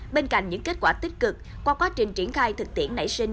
bên cạnh những kết quả tích cực qua quá trình triển khai thực tiễn nảy sinh